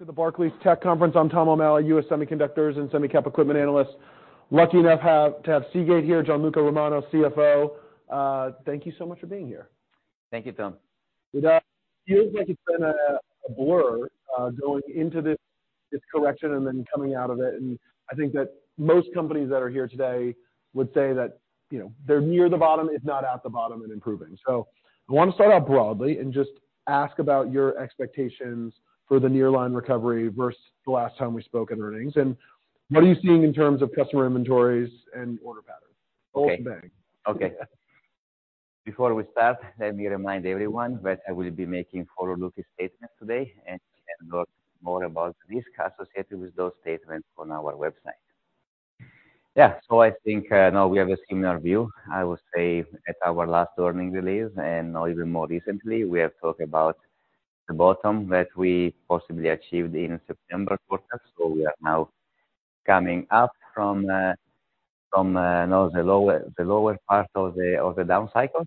Welcome to the Barclays Tech Conference. I'm Tom O'Malley, U.S. Semiconductors and Semiconductor Equipment Analyst. Lucky enough to have Seagate here, Gianluca Romano, CFO. Thank you so much for being here. Thank you, Tom. It feels like it's been a blur going into this correction and then coming out of it, and I think that most companies that are here today would say that, you know, they're near the bottom, if not at the bottom, and improving. So I want to start out broadly and just ask about your expectations for the Nearline recovery versus the last time we spoke on earnings. What are you seeing in terms of customer inventories and order patterns? Okay, bang. Okay. Before we start, let me remind everyone that I will be making forward-looking statements today, and you can learn more about the risks associated with those statements on our website. Yeah, so I think now we have a similar view. I would say at our last earnings release, and now even more recently, we have talked about the bottom that we possibly achieved in September quarter. So we are now coming up from the lower part of the down cycle.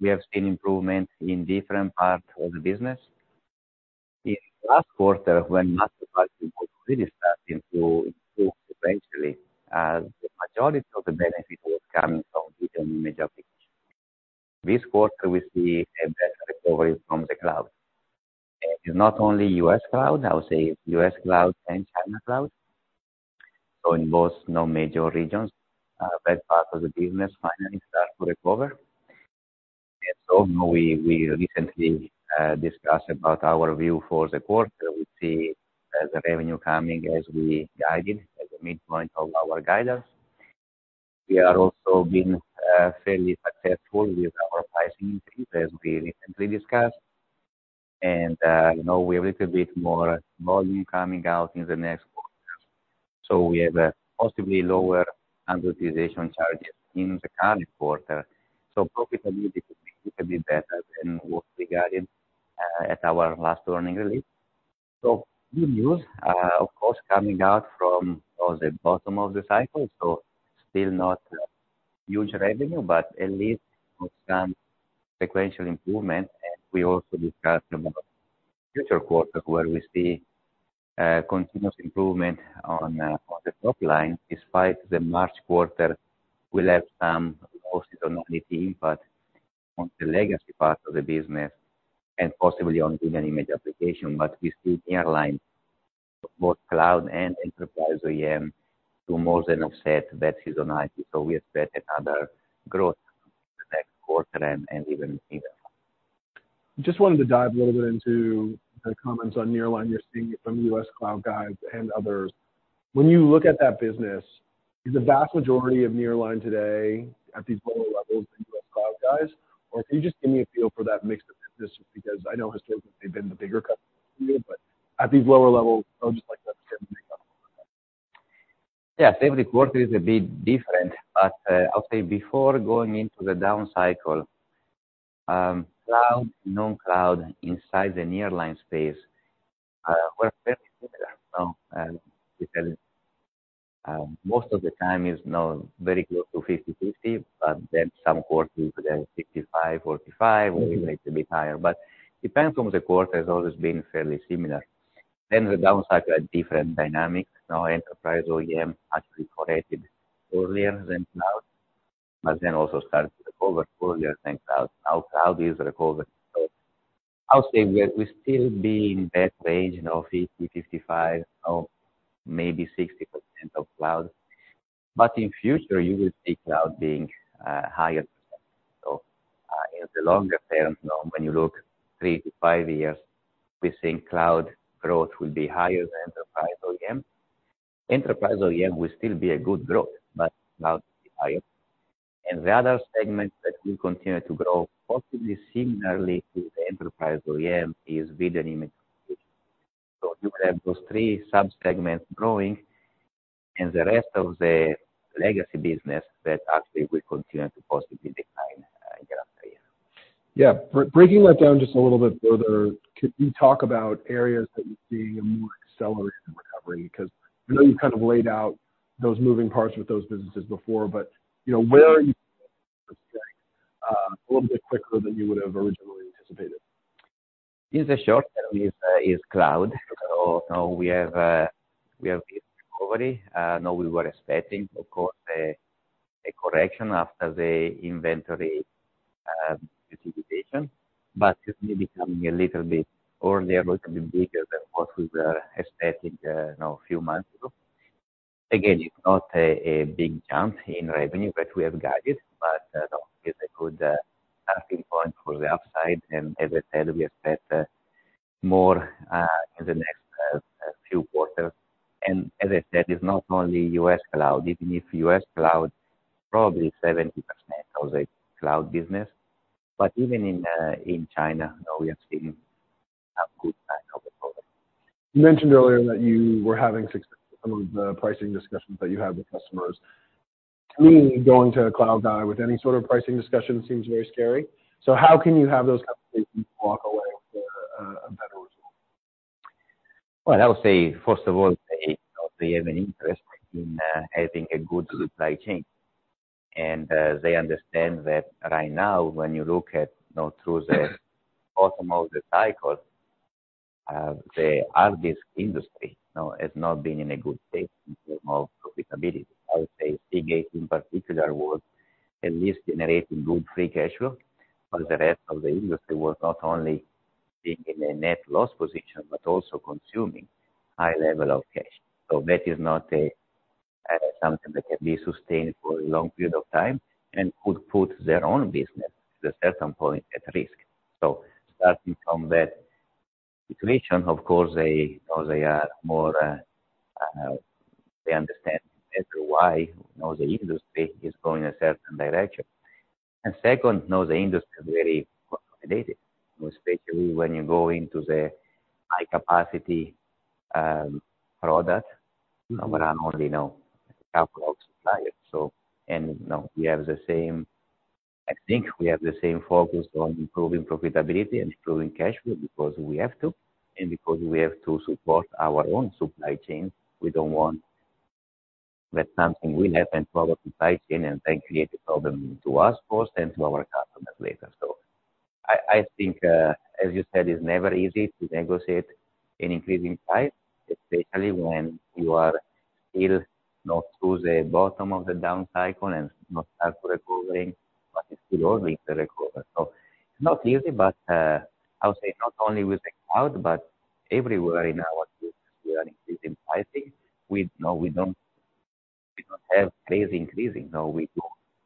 We have seen improvement in different parts of the business. In last quarter, when NAND pricing was really starting to improve eventually, the majority of the benefit was coming from video image application. This quarter, we see a better recovery from the cloud. And not only U.S. cloud, I would say U.S. cloud and China cloud. So in both now major regions, that part of the business finally start to recover. And so we, we recently, discussed about our view for the quarter. We see, the revenue coming as we guided at the midpoint of our guidance. We are also being, fairly successful with our pricing increase, as we recently discussed. And, you know, we have a little bit more volume coming out in the next quarters, so we have a possibly lower amortization charges in the current quarter. So profitability could be a bit better than what we guided, at our last earnings release. So good news, of course, coming out from, from the bottom of the cycle, so still not a huge revenue, but at least with some sequential improvement. And we also discussed about future quarters, where we see continuous improvement on the top line, despite the March quarter will have some seasonality impact on the legacy part of the business and possibly on video image application. But we still see Nearline both cloud and enterprise OEM to more than offset that seasonality. So we expect another growth the next quarter and even either. Just wanted to dive a little bit into the comments on Nearline you're seeing from U.S. cloud guys and others. When you look at that business, is the vast majority of Nearline today at these lower levels than U.S. cloud guys? Or can you just give me a feel for that mix of business? Because I know historically they've been the bigger customer, but at these lower levels, I would just like to understand. Yeah, every quarter is a bit different, but I'll say before going into the down cycle, cloud, non-cloud, inside the Nearline space, were very similar. So, because most of the time is now very close to 50/50, but then some quarters is 65/45, or even a bit higher. But depends on the quarter, has always been fairly similar. Then the down cycle are different dynamics. Now, enterprise OEM actually corrected earlier than cloud, but then also started to recover earlier than cloud. Now cloud is recovered. So I'll say we still be in that range, you know, 50%-55%, or maybe 60% of cloud. But in future, you will see cloud being higher percentage. So, in the longer term, you know, when you look three to five years, we think cloud growth will be higher than enterprise OEM. Enterprise OEM will still be a good growth, but cloud will be higher. The other segment that will continue to grow, possibly similarly to the enterprise OEM, is video image. You have those three sub-segments growing and the rest of the legacy business that actually will continue to possibly decline year after year. Yeah. Breaking that down just a little bit further, could you talk about areas that you're seeing a more accelerated recovery? Because I know you kind of laid out those moving parts with those businesses before, but, you know, where are you a little bit quicker than you would have originally anticipated? In the short term is cloud. So now we have good recovery. Now we were expecting, of course, a correction after the inventory utilization, but it may be coming a little bit earlier, but can be bigger than what we were expecting, you know, a few months ago. Again, it's not a big jump in revenue, but we have guided, but it's a good starting point for the upside. And as I said, we expect more in the next few quarters. And as I said, it's not only U.S. cloud, even if U.S. cloud probably 70% of the cloud business, but even in China, now we are seeing a good sign of recovery. You mentioned earlier that you were having success with some of the pricing discussions that you had with customers. Me going to a cloud guy with any sort of pricing discussion seems very scary. So how can you have those conversations and walk away with a better result? Well, I would say, first of all, they, not they have an interest in having a good supply chain, and they understand that right now, when you look at, you know, through the bottom of the cycle, the hard disk industry, you know, has not been in a good shape in terms of profitability. I would say Seagate, in particular, was at least generating good free cash flow, but the rest of the industry was not only being in a net loss position, but also consuming high level of cash. So that is not a something that can be sustained for a long period of time and could put their own business to a certain point at risk. So starting from that situation, of course, they, you know, they are more, they understand better why, you know, the industry is going a certain direction. Second, you know, the industry is very consolidated, especially when you go into the high-capacity product, where there are only two suppliers. So, you know, we have the same, I think we have the same focus on improving profitability and improving cash flow because we have to, and because we have to support our own supply chain. We don't want that something will happen to our supply chain and then create a problem to us first and to our customers later. So, I think, as you said, it's never easy to negotiate an increasing price, especially when you are still not through the bottom of the down cycle and not start recovering, but it's still only the recovery. So it's not easy, but, I would say not only with the cloud, but everywhere in our business, we are increasing pricing. No, we don't have crazy increasing. No, we do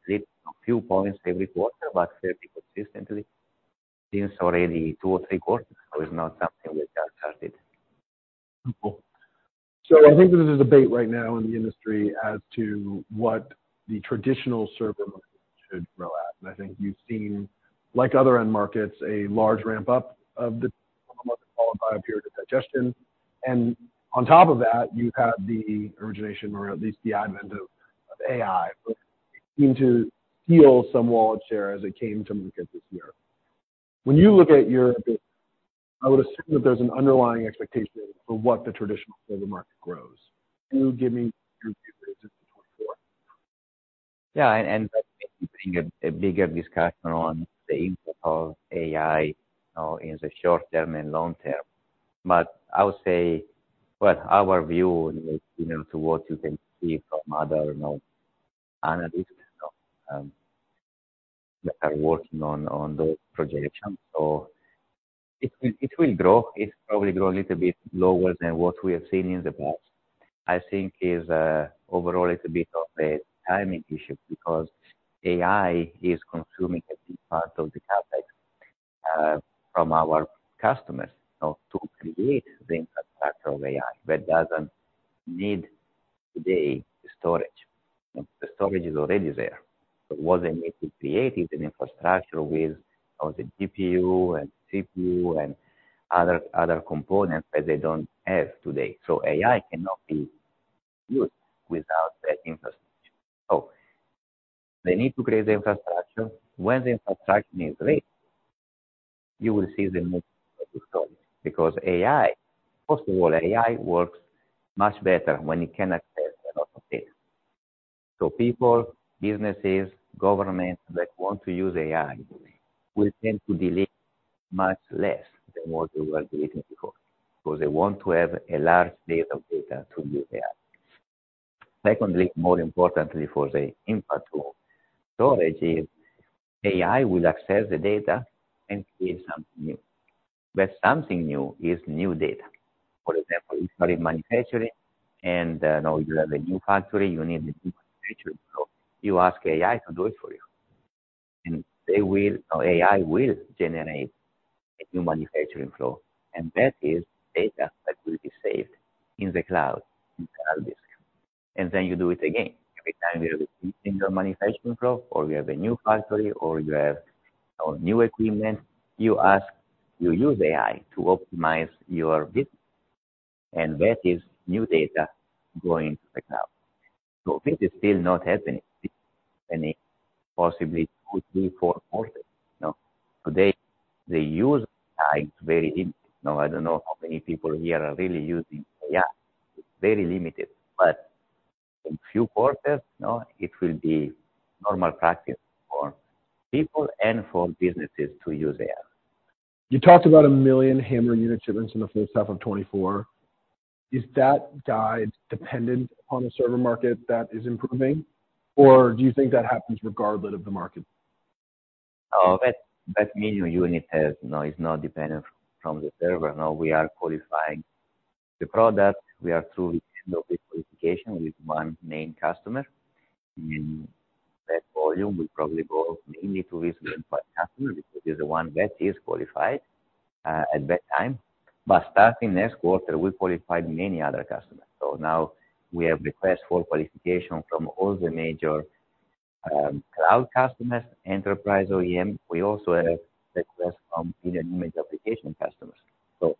slip a few points every quarter, but very consistently, since already two or three quarters, so it's not something we just started. Cool. So I think there's a debate right now in the industry as to what the traditional server market should grow at. And I think you've seen, like other end markets, a large ramp up of the qualified period of digestion. And on top of that, you've had the origination or at least the advent of AI, which seemed to steal some wallet share as it came to market this year. When you look at your business, I would assume that there's an underlying expectation for what the traditional server market grows. Can you give me your view for 2024? Yeah, and I think a bigger discussion on the impact of AI, you know, in the short term and long term. But I would say, well, our view is similar to what you can see from other, you know, analysts, you know, that are working on, on the projection. So it will grow. It will probably grow a little bit lower than what we have seen in the past, I think is overall, it's a bit of a timing issue because AI is consuming a big part of the CapEx, uh, from our customers, you know, to create the infrastructure of AI, but doesn't need today the storage. The storage is already there. What they need to create is an infrastructure with all the GPU and CPU and other, other components that they don't have today. So AI cannot be used without that infrastructure. So they need to create the infrastructure. When the infrastructure is ready, you will see the move to storage, because AI, first of all, AI works much better when you can access a lot of data. So people, businesses, governments that want to use AI will tend to delete much less than what they were deleting before, because they want to have a large data of data to use AI. Secondly, more importantly for the impact of storage is AI will access the data and create something new, but something new is new data. For example, if you are in manufacturing and, you know, you have a new factory, you need a new manufacturing flow, you ask AI to do it for you, and AI will generate a new manufacturing flow, and that is data that will be saved in the cloud, in cloud disk. Then you do it again. Every time you have a in your manufacturing flow, or you have a new factory, or you have a new equipment, you ask, you use AI to optimize your business, and that is new data going to the cloud. This is still not happening, and it possibly could be four quarters. You know, today, the use of AI is very limited. Now, I don't know how many people here are really using AI. It's very limited, but in few quarters, you know, it will be normal practice for people and for businesses to use AI. You talked about 1 million HAMR unit shipments in the first half of 2024. Is that guide dependent on a server market that is improving, or do you think that happens regardless of the market? No, that million unit, no, it's not dependent from the server. No, we are qualifying the product. We are through the end of the qualification with one main customer, and that volume will probably go mainly to this one customer, because it is the one that is qualified at that time. But starting next quarter, we qualified many other customers. So now we have requests for qualification from all the major cloud customers, enterprise OEM. We also have requests from internet application customers. So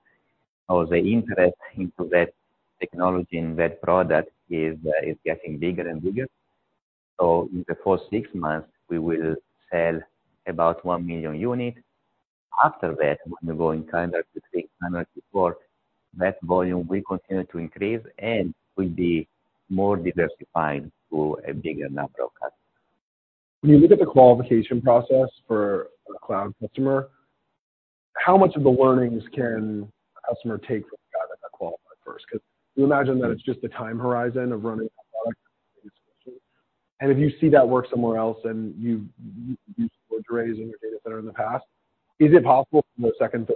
the interest into that technology and that product is getting bigger and bigger. So in the first six months, we will sell about 1 million units. After that, when we're going calendar 2023, calendar 2024, that volume will continue to increase and will be more diversified to a bigger number of customers. When you look at the qualification process for a cloud customer, how much of the learnings can a customer take from the guy that got qualified first? Because you imagine that it's just the time horizon of running a product. And if you see that work somewhere else and you, you've used storage arrays in your data center in the past, is it possible for the second to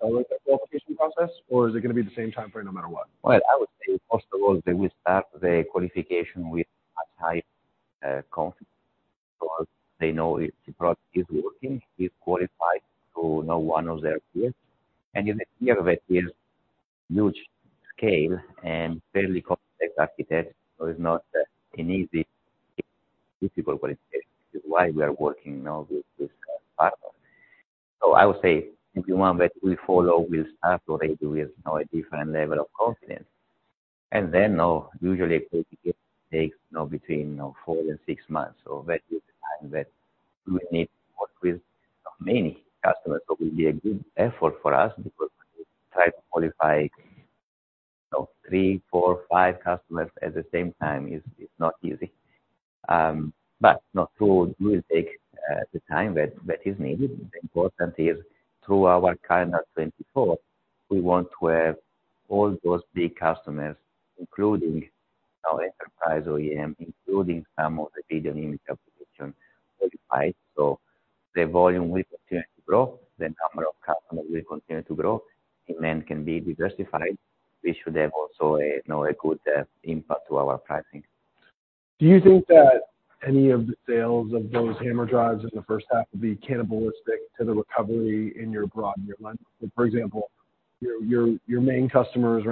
accelerate that qualification process, or is it going to be the same time frame, no matter what? Well, I would say, first of all, they will start the qualification with a high confidence, because they know if the product is working, is qualified by one of their peers. And in their that is huge scale and fairly complex architecture, so it's not an easy, difficult qualification. This is why we are working now with this partner. So I would say, if you want, that we follow, we'll start already with, you know, a different level of confidence. And then, now, usually qualification takes, you know, between four and six months. So that is the time that we need to work with many customers. So it will be a good effort for us because we try to qualify, you know, three, four, five customers at the same time, is not easy. But it will take the time that is needed. The important is through our calendar 2024, we want to have all those big customers, including our enterprise OEM, including some of the video image application qualified. So the volume will continue to grow, the number of customers will continue to grow, and then can be diversified. We should have also a, you know, a good impact to our pricing. Do you think that any of the sales of those HAMR drives in the first half will be cannibalistic to the recovery in your broad unit line? For example, your main customers...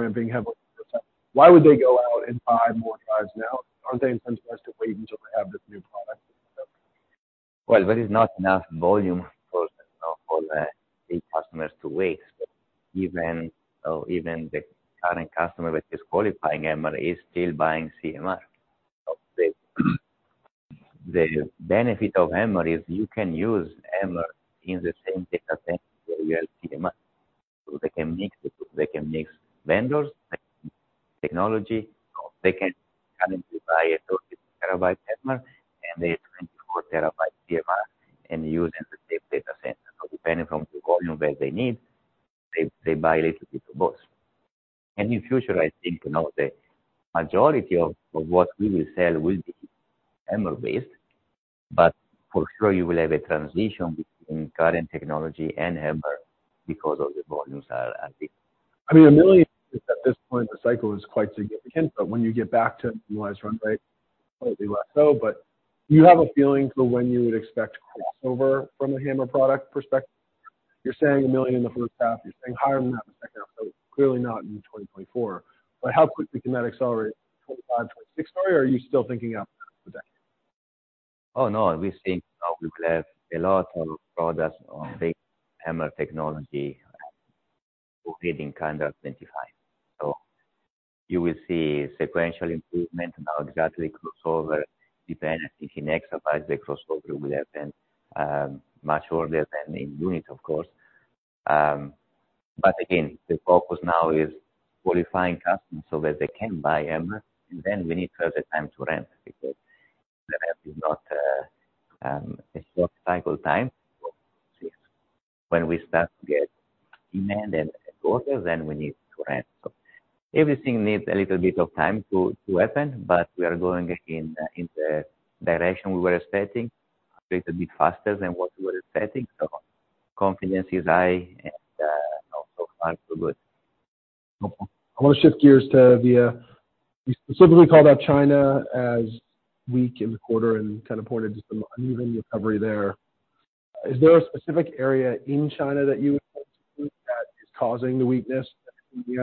Why would they go out and buy more drives now? Aren't they incentivized to wait until they have this new product? Well, there is not enough volume for the customers to wait. Even so, even the current customer, which is qualifying HAMR, is still buying CMR. So the benefit of HAMR is you can use HAMR in the same data center where you have CMR. So they can mix, they can mix vendors, technology. So they can currently buy a 30 TB HAMR, and a 24 TB CMR, and use in the same data center. So depending on the volume that they need, they buy a little bit of both. And in future, I think, you know, the majority of what we will sell will be HAMR-based, but for sure, you will have a transition between current technology and HAMR because of the volumes are big. I mean, 1 million at this point, the cycle is quite significant, but when you get back to normalized run rate, slightly less so. But do you have a feeling for when you would expect crossover from a HAMR product perspective? You're saying 1 million in the first half. You're saying higher than that in the second half, so clearly not in 2024. But how quickly can that accelerate? 2025, 2026, or are you still thinking out the decade? Oh, no, we think we will have a lot of products on the HAMR technology operating calendar 2025. So you will see sequential improvement. Now, exactly, crossover, depending if in exercise, the crossover will happen, much earlier than in unit, of course. But again, the focus now is qualifying customers so that they can buy HAMR, and then we need to have the time to ramp, because the ramp is not a short cycle time. When we start to get demand and orders, then we need to ramp. So everything needs a little bit of time to happen, but we are going in the direction we were expecting, a little bit faster than what we were expecting. So confidence is high, and so far, so good. I want to shift gears to... You specifically called out China as weak in the quarter and kind of pointed to some uneven recovery there. Is there a specific area in China that you would think that is causing the weakness that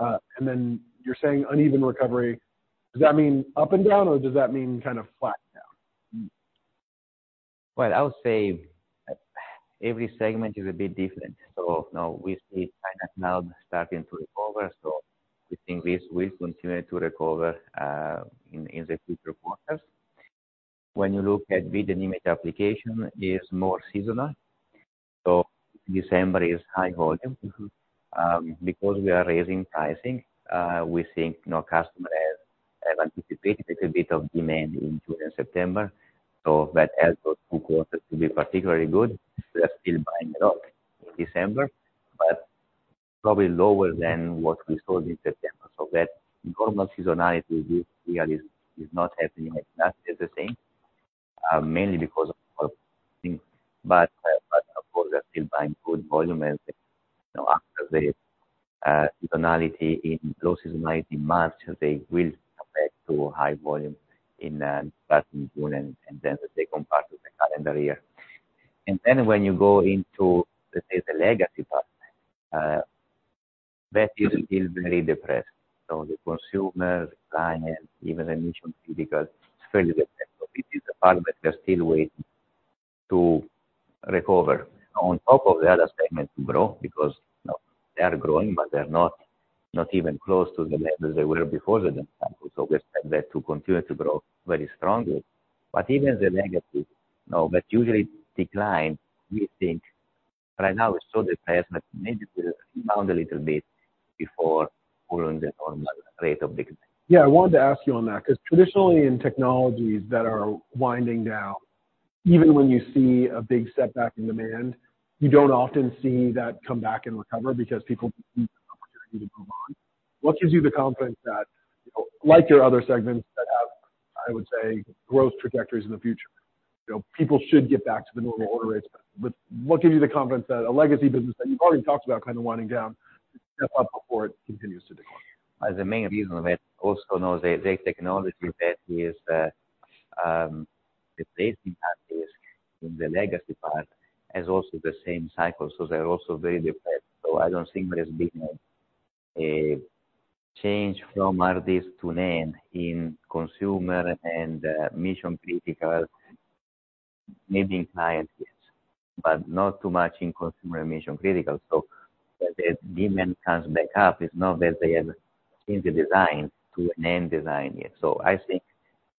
out? And then you're saying uneven recovery. Does that mean up and down, or does that mean kind of flat now? Well, I would say every segment is a bit different. So now we see China now starting to recover, so we think this will continue to recover in the future quarters. When you look at video and image application, is more seasonal. So December is high volume. Because we are raising pricing, we think, you know, customer has, have anticipated a little bit of demand in June and September, so that helped those two quarters to be particularly good. They're still buying a lot in December, but probably lower than what we saw in September. So that normal seasonality this year is, is not happening, not the same, mainly because of, but, but of course, they're still buying good volume. You know, after the seasonality in low seasonality in March, they will come back to high volume starting June and then they compare to the calendar year. Then when you go into, let's say, the legacy part, that is still very depressed. So the consumer side and even the initial, because it's fairly the part that they're still waiting to recover. On top of the other segments grow, because, you know, they are growing, but they're not even close to the levels they were before the down cycle. So we expect that to continue to grow very strongly. But even the legacy, no, but usually decline, we think right now it's so depressed, but maybe it will rebound a little bit before following the normal rate of decline. Yeah, I wanted to ask you on that, because traditionally in technologies that are winding down, even when you see a big setback in demand, you don't often see that come back and recover because people see the opportunity to move on. What gives you the confidence that, like, your other segments that have, I would say, growth trajectories in the future, you know, people should get back to the normal order rates? But what gives you the confidence that a legacy business that you've already talked about kind of winding down, step up before it continues to decline? The main reason that also know the technology that is, the placing hard disk in the legacy part, has also the same cycle, so they're also very depressed. So I don't think there's been a change from hard disk to NAND in consumer and mission-critical, maybe in client, yes, but not too much in consumer and mission-critical. So if demand comes back up, it's not that they have changed the design to a NAND design yet. So I think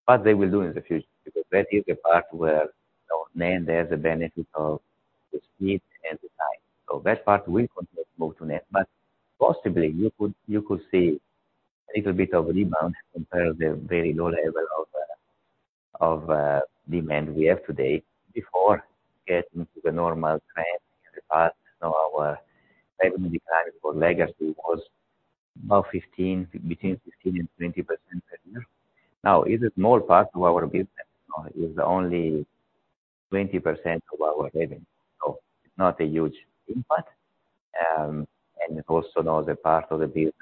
what they will do in the future, because that is the part where, you know, NAND has the benefit of the speed and the time. So that part will continue to move to NAND, but possibly you could, you could see a little bit of rebound compared the very low level of demand we have today before getting to the normal trend. In the past, you know, our revenue decline for legacy was about 15%, between 16% and 20% per year. Now, it's a small part of our business. It's only 20% of our revenue, so not a huge impact. And it's also now the part of the business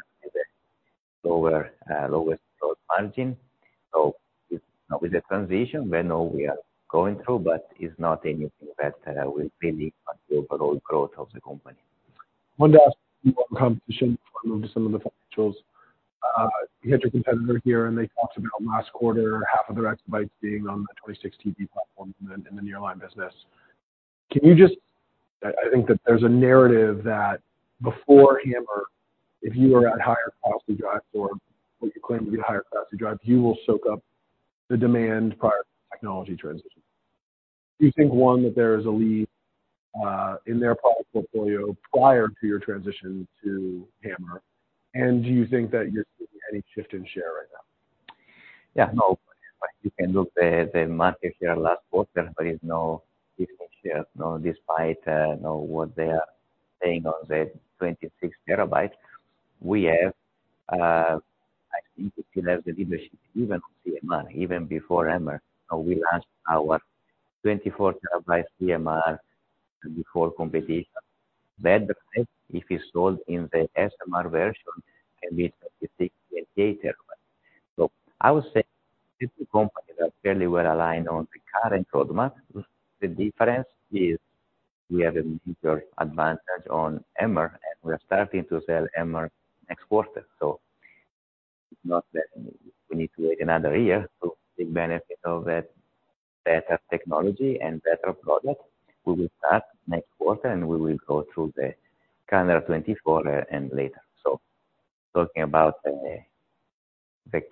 with a lower, lowest gross margin. So with the transition we know we are going through, but it's not anything that will really affect the overall growth of the company. I wanted to ask you about competition, some of the financials. You had your competitor here, and they talked about last quarter, half of their exabytes being on the 26 TB platform in the Nearline business. Can you just... I think that there's a narrative that before HAMR, if you are at higher capacity drive or what you claim to be a higher capacity drive, you will soak up the demand prior to technology transition. Do you think, one, that there is a lead in their product portfolio prior to your transition to HAMR? And do you think that you're seeing any shift in share right now? Yeah, no, you can look at the market share last quarter, but there's no shift in share. No, despite, you know, what they are saying on the 26 TB, we have, I think we still have the leadership, even on CMR, even before HAMR. We launched our 24 TB CMR before competition. That drive, if it's sold in the SMR version, can be 28 TB. So I would say these two companies are fairly well aligned on the current roadmap. The difference is we have a major advantage on HAMR, and we are starting to sell HAMR next quarter. So it's not that we need to wait another year to take benefit of that better technology and better product. We will start next quarter, and we will go through the calendar 2024 and later. So talking about the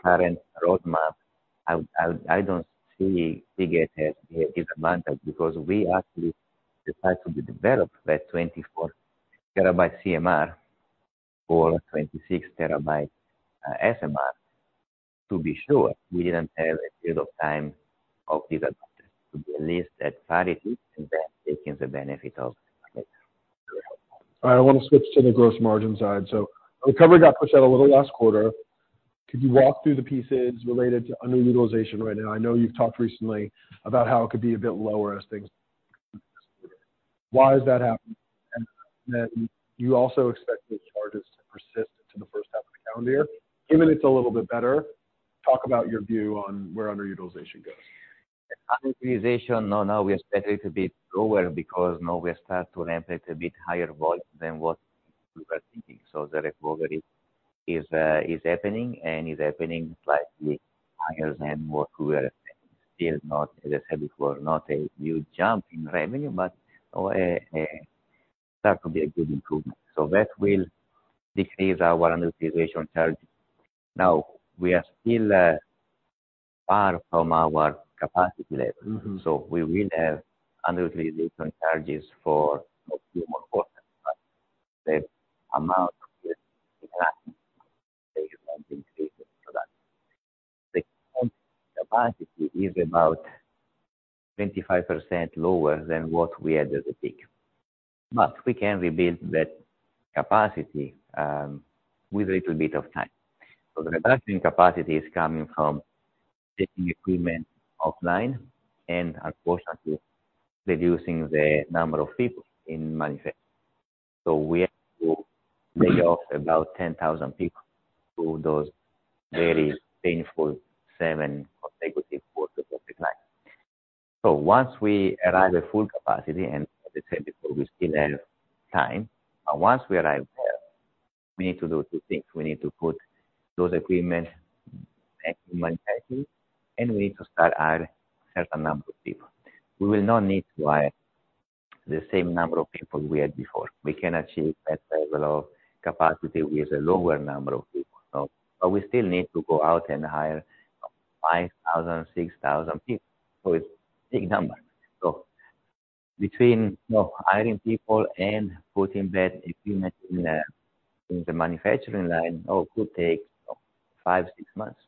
current roadmap, I don't see Seagate has a disadvantage because we actually decided to be developed that 24 TB CMR or 26 TB SMR. To be sure, we didn't have a period of time of disadvantage, to be at least at parity, and then taking the benefit of it. All right. I want to switch to the gross margin side. So recovery got pushed out a little last quarter. Could you walk through the pieces related to underutilization right now? I know you've talked recently about how it could be a bit lower as things... Why is that happening? And then you also expect the charges to persist into the first half of the calendar year. Even if it's a little bit better, talk about your view on where underutilization goes. Underutilization, now, now we expect it to be lower because now we start to ramp it a bit higher volume than what we were thinking. So the recovery is happening, and it's happening slightly higher than what we were expecting. Still not, as I said before, not a huge jump in revenue, but a start to be a good improvement. So that will decrease our underutilization charge. Now, we are still far from our capacity level. So we will have underutilization charges for a few more quarters, but the amount is decreasing as we increase the production. The capacity is about 25% lower than what we had at the peak, but we can rebuild that capacity with a little bit of time. So the reduction in capacity is coming from taking equipment offline and, of course, reducing the number of people in manufacturing. So we had to lay off about 10,000 people through those very painful seven consecutive quarters of decline. So once we arrive at full capacity, and as I said before, we still have time, once we arrive there, we need to do two things. We need to put those equipment and maintain them, and we need to start adding a certain number of people. We will not need to add the same number of people we had before. We can achieve that level of capacity with a lower number of people. So, but we still need to go out and hire 5,000-6,000 people. So it's big number. So between, you know, hiring people and putting that equipment in the manufacturing line, it could take, you know, five to six months.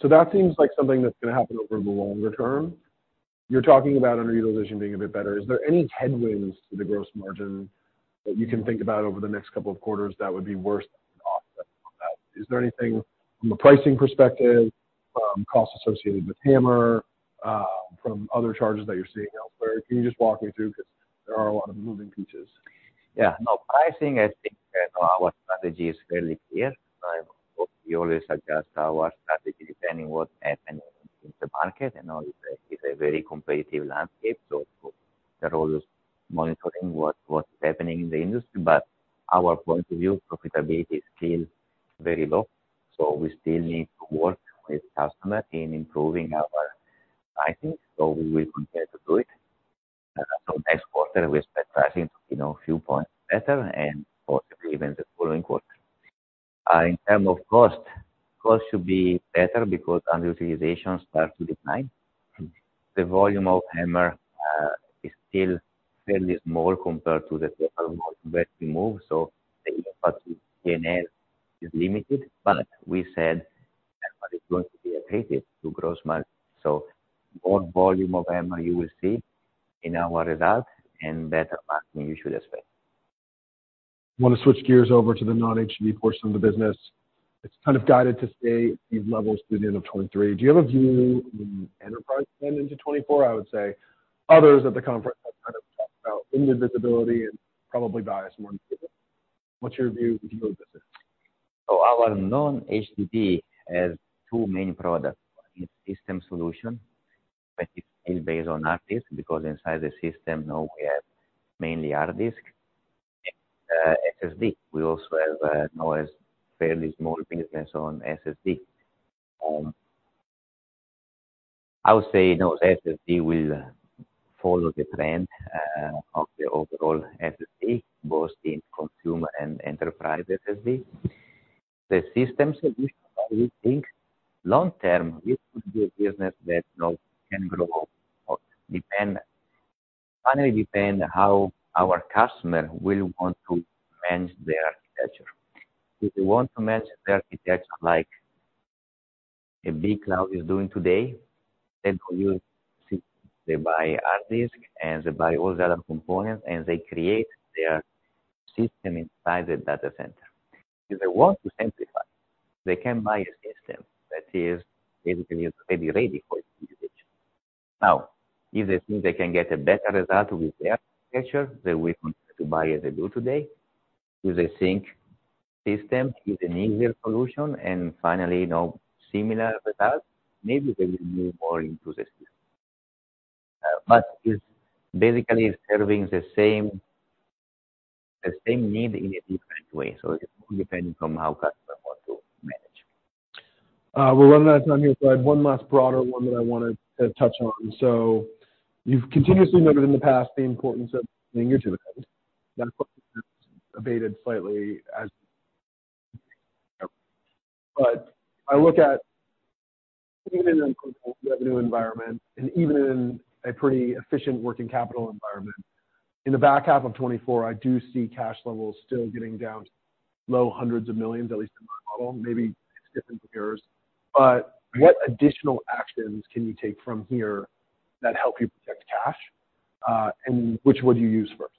So that seems like something that's going to happen over the longer term. You're talking about underutilization being a bit better. Is there any headwinds to the gross margin that you can think about over the next couple of quarters that would be worse than the offset of that? Is there anything from a pricing perspective, costs associated with HAMR, from other charges that you're seeing elsewhere? Can you just walk me through? Because there are a lot of moving pieces. Yeah, no, pricing, I think, our strategy is fairly clear, right? We always adjust our strategy depending what happens in the market, I know it's a, it's a very competitive landscape, so we're always monitoring what's happening in the industry. But our point of view, profitability is still very low, so we still need to work with customer in improving our pricing, so we will continue to do it. So next quarter, we expect pricing, you know, a few points better and possibly even the following quarter. In terms of cost, cost should be better because underutilization starts to decline. The volume of HAMR is still fairly small compared to the total volume that we move, so the impact with P&L is limited. But we said, that what is going to be accretive to gross margin. More volume of HAMR you will see in our result and better margin you should expect. I want to switch gears over to the Non-HDD portion of the business. It's kind of guided to stay at these levels through the end of 2023. Do you have a view in enterprise going into 2024? I would say others at the conference have kind of talked about invisibility and probably bias more. What's your view with this? So our Non-HDD has two main products: system solution, but it is based on hard disk, because inside the system, now we have mainly hard disk, SSD. We also have, now a fairly small business on SSD. I would say, you know, SSD will follow the trend, of the overall SSD, both in consumer and enterprise SSD. The systems, we think long term, this could be a business that, you know, can grow or finally depend how our customer will want to manage their architecture. If they want to manage their architecture, like a big cloud is doing today, they will use, they buy hard disk, and they buy all the other components, and they create their system inside the data center. If they want to simplify, they can buy a system that is basically maybe ready for usage. Now, if they think they can get a better result with their architecture, they will continue to buy, as they do today. If they think system is an easier solution and finally, you know, similar results, maybe they will move more into the system. But it's basically serving the same, the same need in a different way. So it's only depending from how customers want to manage. We're running out of time here, so I had one last broader one that I wanted to touch on. So you've continuously noted in the past the importance of being iterative. That question abated slightly as... But I look at even in a critical revenue environment and even in a pretty efficient working capital environment, in the back half of 2024, I do see cash levels still getting down to $low hundreds of millions, at least in my model. Maybe it's different from yours, but what additional actions can you take from here that help you protect cash? And which would you use first?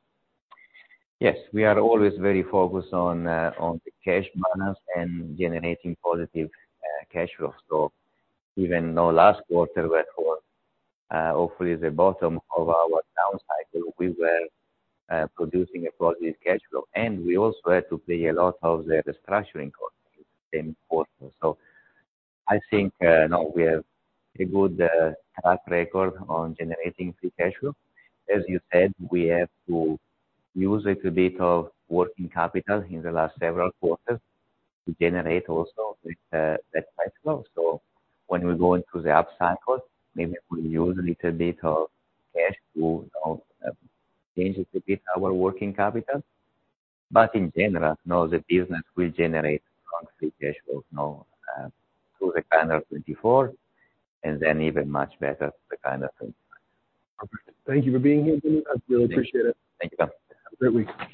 Yes, we are always very focused on the cash balance and generating positive cash flow. So even though last quarter was hopefully the bottom of our down cycle, we were producing a positive cash flow, and we also had to pay a lot of the restructuring costs in the same quarter. So I think now we have a good track record on generating free cash flow. As you said, we have to use a little bit of working capital in the last several quarters to generate also with that cycle. So when we go into the up cycle, maybe we use a little bit of cash to change a bit our working capital. But in general, now the business will generate strong free cash flow now through the calendar 2024, and then even much better to the calendar 2025. Thank you for being here. I really appreciate it. Thank you. Have a great week.